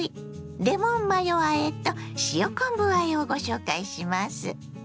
レモンマヨあえと塩昆布あえをご紹介します。